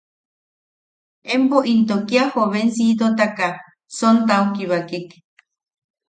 ¿Empo into kia jovencíitotaka sontao kibakek?